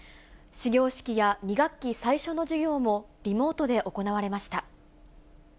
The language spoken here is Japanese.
始業式や２学期最初の授業もリモートで行われました。